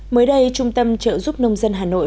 mới đây trung tâm trợ giúp nông dân hà nội